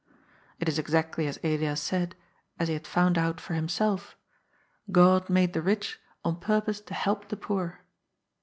It is exactly as Elias said, as he had found out for himself : God made the rich, on purpose to help the poor.